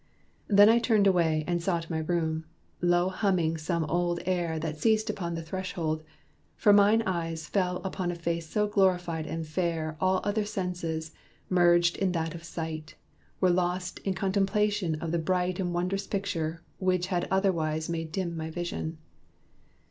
Then I turned away And sought my room, low humming some old air That ceased upon the threshold; for mine eyes Fell on a face so glorified and fair All other senses, merged in that of sight, Were lost in contemplation of the bright And wond'rous picture, which had otherwise Made dim my vision.